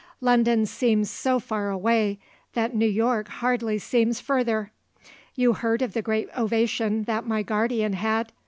London seems so far away that New York hardly seems further. You heard of the great ovation that my guardian had.